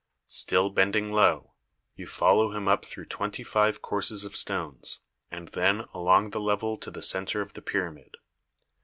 Still bending low, you follow him up through twenty five courses of stones, and then along the level to the centre of the pyra mid.